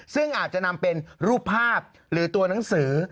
ซึ่งอาจจะนำเป็นรูปภาพหรือตัวหนังสือ